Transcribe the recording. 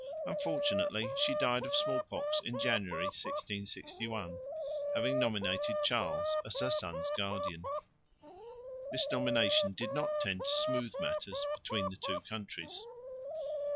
Unfortunately she died of small pox in January, 1661, having nominated Charles as her son's guardian. This nomination did not tend to smooth matters between the two countries.